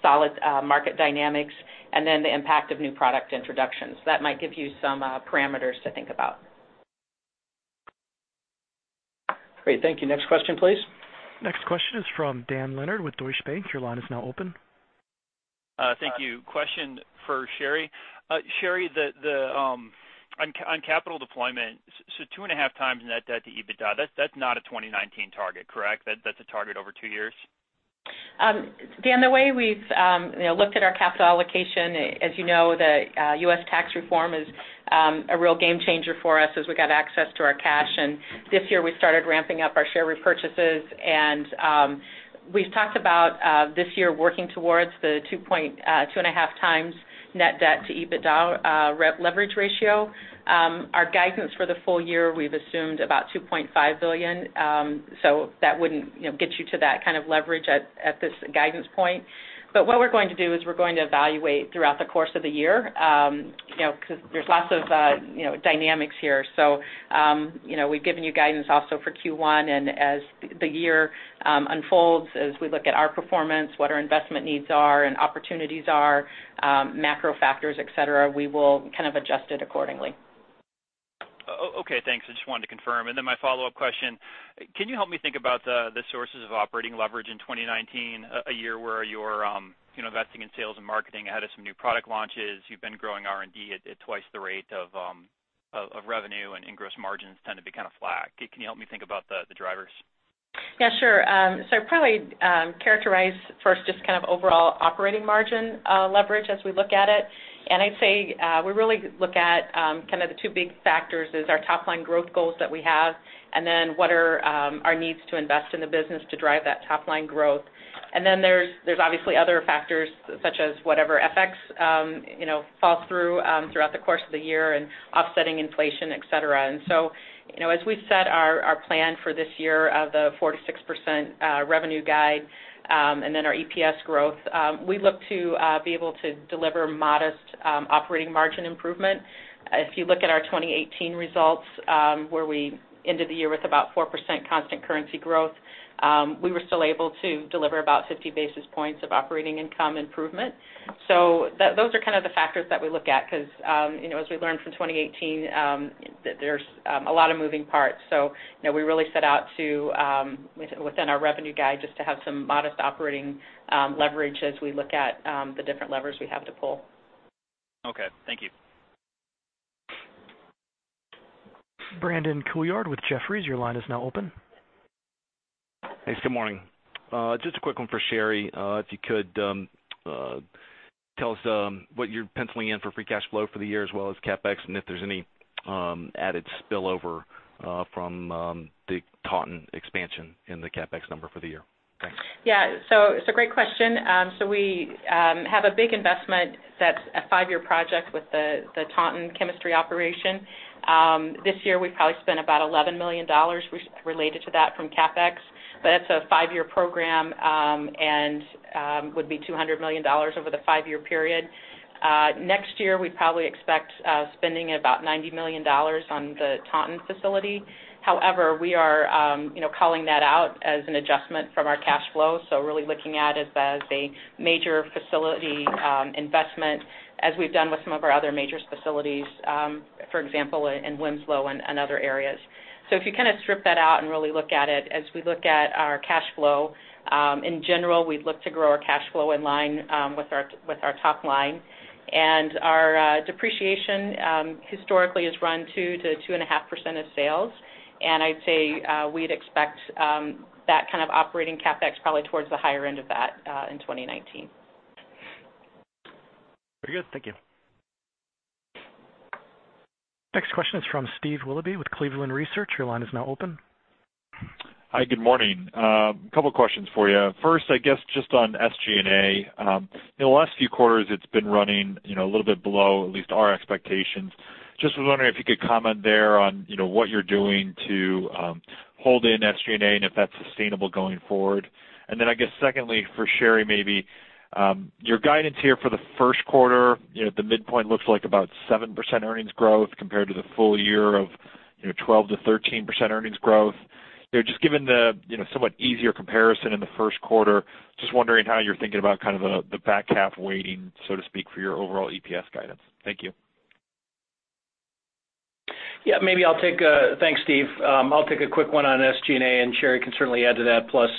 solid market dynamics and then the impact of new product introductions. That might give you some parameters to think about. Great. Thank you. Next question, please. Next question is from Dan Leonard with Deutsche Bank. Your line is now open. Thank you. Question for Sherry. Sherry, on capital deployment, so two and a half times net debt to EBITDA, that's not a 2019 target, correct? That's a target over two years? Dan, the way we've looked at our capital allocation, as you know, the U.S. tax reform is a real game changer for us as we got access to our cash. And this year, we started ramping up our share repurchases. We've talked about this year working towards the two and a half times net debt to EBITDA leverage ratio. Our guidance for the full year, we've assumed about $2.5 billion. So that wouldn't get you to that kind of leverage at this guidance point. But what we're going to do is we're going to evaluate throughout the course of the year because there's lots of dynamics here. So we've given you guidance also for Q1. And as theyear unfolds, as we look at our performance, what our investment needs are and opportunities are, macro factors, etc., we will kind of adjust it accordingly. Okay. Thanks. I just wanted to confirm. And then my follow-up question, can you help me think about the sources of operating leverage in 2019? A year where you're investing in sales and marketing ahead of some new product launches. You've been growing R&D at twice the rate of revenue, and gross margins tend to be kind of flat. Can you help me think about the drivers? Yeah. Sure. So I'd probably characterize first just kind of overall operating margin leverage as we look at it. And I'd say we really look at kind of the two big factors: our top-line growth goals that we have, and then what are our needs to invest in the business to drive that top-line growth. And then there's obviously other factors such as whatever FX falls through throughout the course of the year and offsetting inflation, etc. And so as we set our plan for this year of the 46% revenue guide and then our EPS growth, we look to be able to deliver modest operating margin improvement. If you look at our 2018 results, where we ended the year with about 4% constant currency growth, we were still able to deliver about 50 basis points of operating income improvement. So those are kind of the factors that we look at because as we learned from 2018, there's a lot of moving parts. So we really set out within our revenue guide just to have some modest operating leverage as we look at the different levers we have to pull. Okay. Thank you. Brandon Couillard with Jefferies. Your line is now open. Hey. Good morning. Just a quick one for Sherry. If you could tell us what you're penciling in for free cash flow for the year as well as CapEx and if there's any added spillover from the Taunton expansion in the CapEx number for the year. Thanks. Yeah. So it's a great question. So we have a big investment that's a five-year project with the Taunton chemistry operation. This year, we've probably spent about $11 million related to that from CapEx, but that's a five-year program and would be $200 million over the five-year period. Next year, we probably expect spending about $90 million on the Taunton facility. However, we are calling that out as an adjustment from our cash flow. So really looking at it as a major facility investment as we've done with some of our other major facilities, for example, in Wilmslow and other areas. So if you kind of strip that out and really look at it, as we look at our cash flow, in general, we'd look to grow our cash flow in line with our top line. And our depreciation historically has run 2%-2.5% of sales. And I'd say we'd expect that kind of operating CapEx probably towards the higher end of that in 2019. Very good. Thank you. Next question is from Steve Willoughby with Cleveland Research. Your line is now open. Hi. Good morning. A couple of questions for you. First, I guess just on SG&A. In the last few quarters, it's been running a little bit below at least our expectations. Just was wondering if you could comment there on what you're doing to hold in SG&A and if that's sustainable going forward. And then I guess secondly for Sherry, maybe your guidance here for the first quarter, the midpoint looks like about 7% earnings growth compared to the full year of 12%-13% earnings growth. Just given the somewhat easier comparison in the first quarter, just wondering how you're thinking about kind of the back half weighting, so to speak, for your overall EPS guidance? Thank you. Yeah. Maybe I'll take that, thanks, Steve. I'll take a quick one on SG&A, and Sherry can certainly add to that, plus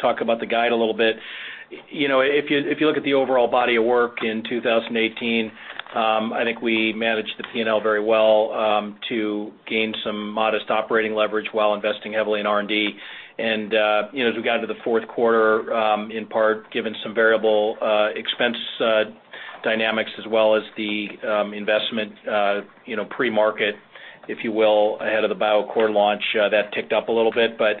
talk about the guide a little bit. If you look at the overall body of work in 2018, I think we managed the P&L very well to gain some modest operating leverage while investing heavily in R&D, and as we got into the fourth quarter, in part given some variable expense dynamics as well as the investment pre-market, if you will, ahead of the BioAccord launch, that ticked up a little bit. But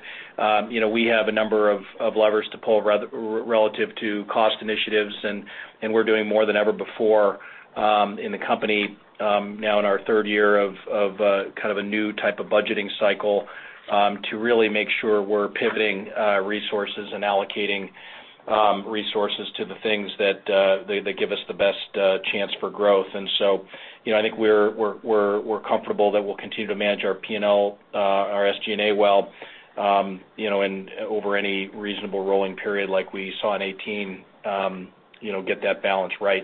we have a number of levers to pull relative to cost initiatives, and we're doing more than ever before in the company now in our third year of kind of a new type of budgeting cycle to really make sure we're pivoting resources and allocating resources to the things that give us the best chance for growth. And so I think we're comfortable that we'll continue to manage our P&L, our SG&A well over any reasonable rolling period like we saw in 2018, get that balance right.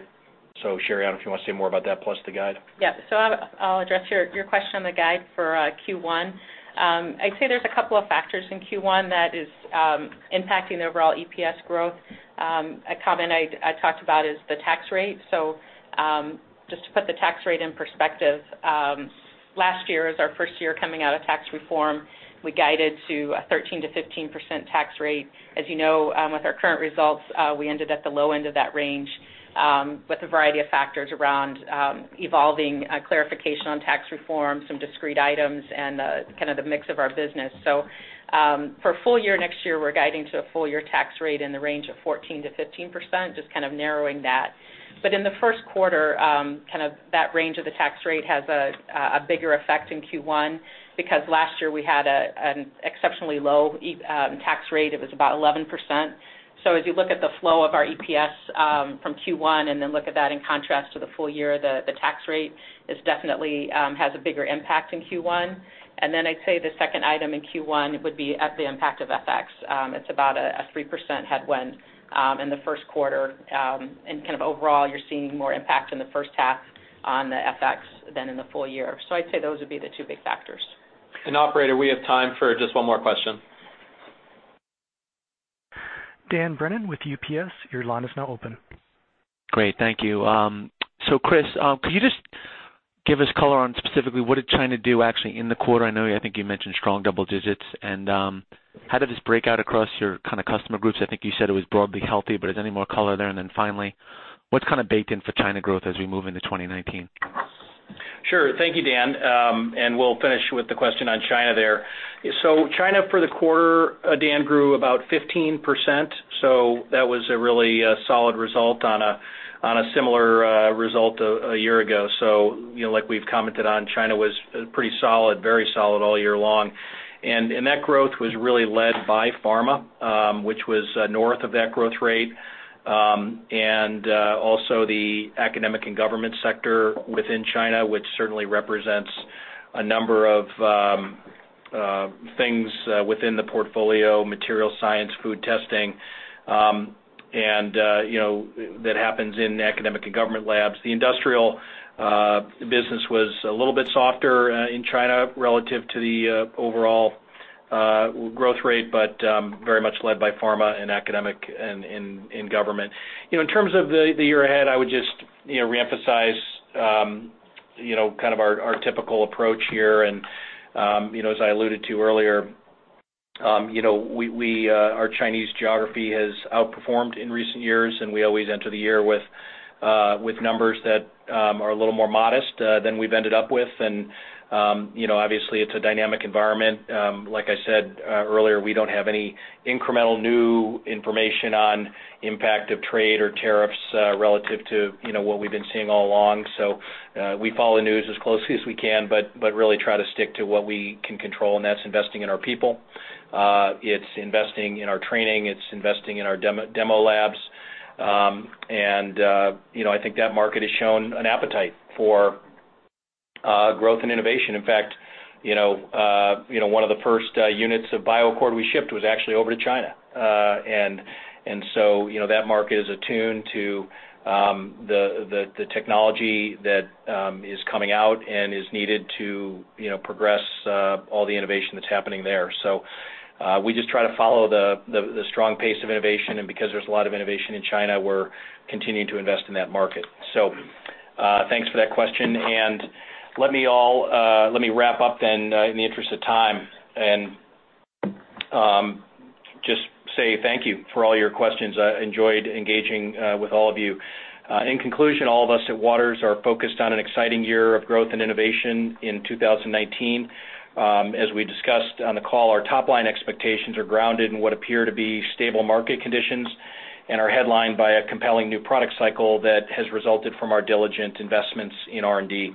So Sherry, I don't know if you want to say more about that plus the guide. Yeah. So I'll address your question on the guide for Q1. I'd say there's a couple of factors in Q1 that is impacting the overall EPS growth. A comment I talked about is the tax rate. So just to put the tax rate in perspective, last year is our first year coming out of tax reform. We guided to a 13%-15% tax rate. As you know, with our current results, we ended at the low end of that range with a variety of factors around evolving clarification on tax reform, some discrete items, and kind of the mix of our business. So for full year next year, we're guiding to a full year tax rate in the range of 14%-15%, just kind of narrowing that. But in the first quarter, kind of that range of the tax rate has a bigger effect in Q1 because last year we had an exceptionally low tax rate. It was about 11%. So as you look at the flow of our EPS from Q1 and then look at that in contrast to the full year, the tax rate definitely has a bigger impact in Q1. And then I'd say the second item in Q1 would be the impact of FX. It's about a 3% headwind in the first quarter. And kind of overall, you're seeing more impact in the first half on the FX than in the full year. So I'd say those would be the two big factors. And operator, we have time for just one more question. Dan Brennan with UBS, your line is now open. Great. Thank you. So Chris, could you just give us color on specifically what did China do actually in the quarter? I know I think you mentioned strong double digits. And how did this break out across your kind of customer groups? I think you said it was broadly healthy, but is there any more color there? And then finally, what's kind of baked in for China growth as we move into 2019? Sure. Thank you, Dan. And we'll finish with the question on China there. So China for the quarter, Dan, grew about 15%. So that was a really solid result on a similar result a year ago. So like we've commented on, China was pretty solid, very solid all year long. And that growth was really led by pharma, which was north of that growth rate. And also the academic and government sector within China, which certainly represents a number of things within the portfolio, materials science, food testing, and that happens in academic and government labs. The industrial business was a little bit softer in China relative to the overall growth rate, but very much led by pharma and academic and government. In terms of the year ahead, I would just reemphasize kind of our typical approach here. And as I alluded to earlier, our Chinese geography has outperformed in recent years, and we always enter the year with numbers that are a little more modest than we've ended up with. And obviously, it's a dynamic environment. Like I said earlier, we don't have any incremental new information on impact of trade or tariffs relative to what we've been seeing all along. So we follow news as closely as we can, but really try to stick to what we can control. And that's investing in our people. It's investing in our training. It's investing in our demo labs. And I think that market has shown an appetite for growth and innovation. In fact, one of the first units of BioAccord we shipped was actually over to China. And so that market is attuned to the technology that is coming out and is needed to progress all the innovation that's happening there. So we just try to follow the strong pace of innovation. And because there's a lot of innovation in China, we're continuing to invest in that market. So thanks for that question. And let me wrap up then in the interest of time and just say thank you for all your questions. I enjoyed engaging with all of you. In conclusion, all of us at Waters are focused on an exciting year of growth and innovation in 2019. As we discussed on the call, our top-line expectations are grounded in what appear to be stable market conditions and are headlined by a compelling new product cycle that has resulted from our diligent investments in R&D.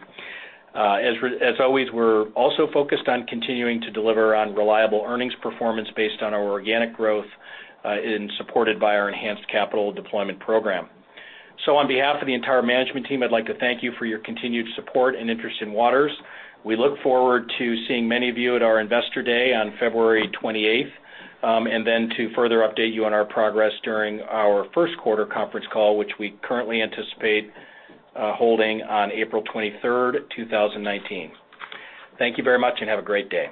As always, we're also focused on continuing to deliver on reliable earnings performance based on our organic growth and supported by our enhanced capital deployment program. So on behalf of the entire management team, I'd like to thank you for your continued support and interest in Waters. We look forward to seeing many of you at our investor day on February 28th and then to further update you on our progress during our first quarter conference call, which we currently anticipate holding on April 23rd, 2019. Thank you very much and have a great day.